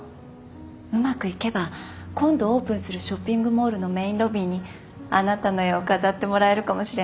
うまくいけば今度オープンするショッピングモールのメーンロビーにあなたの絵を飾ってもらえるかもしれない。